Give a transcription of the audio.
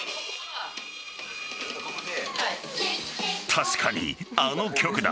確かに、あの曲だ。